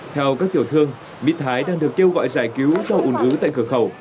theo các tiểu thương mít thái đang được kêu gọi giải cứu do ùn ứ tại cửa khẩu